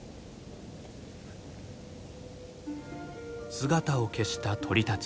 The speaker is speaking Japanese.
姿を消した鳥たち。